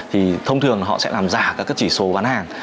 thì thông thường họ sẽ làm giả các cái chỉ số bán hàng